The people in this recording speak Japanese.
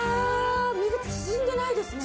身が縮んでないですね。